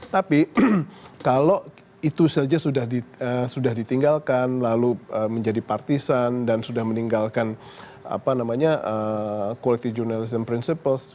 tapi kalau itu saja sudah ditinggalkan lalu menjadi partisan dan sudah meninggalkan quality journalism principles